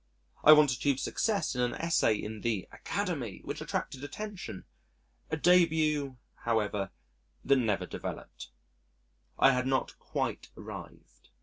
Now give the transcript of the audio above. I once achieved success in an Essay in the Academy, which attracted attention a debut, however, that never developed. I had not quite arrived.